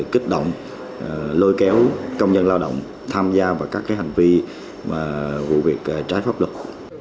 kích động lôi kéo công nhân lao động tham gia vào các hành vi vụ việc trái pháp luật